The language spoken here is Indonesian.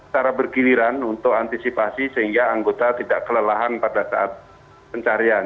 cara bergiliran untuk antisipasi sehingga anggota tidak kelelahan pada saat pencarian